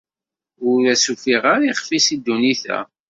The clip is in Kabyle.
Ur as-ufiɣ ara ixf-is i ddunit-a.